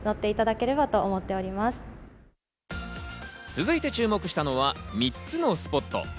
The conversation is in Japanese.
続いて注目したのは３つのスポット。